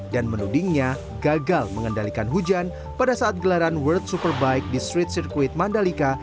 dan menudingnya gagal mengendalikan hujan pada saat gelaran world superbike di street circuit mandalika